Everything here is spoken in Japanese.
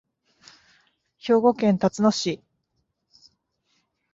兵庫県たつの市